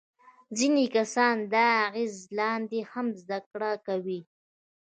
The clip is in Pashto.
ځینې کسان د اغیز لاندې هم زده کړه کوي.